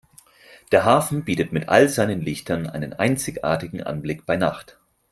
Der Hafen bietet mit all seinen Lichtern einen einzigartigen Anblick bei Nacht.